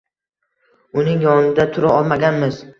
Uning yonida tura olmaganmiz.